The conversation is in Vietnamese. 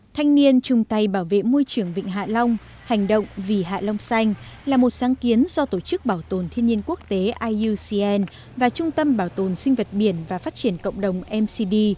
thanh niên chung tay bảo vệ môi trường vịnh hạ long hành động vì hạ long xanh là một sáng kiến do tổ chức bảo tồn thiên nhiên quốc tế iucn và trung tâm bảo tồn sinh vật biển và phát triển cộng đồng mcd